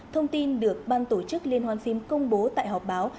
thông tin được ban tổ chức liên hoan phim công bố tại họp báo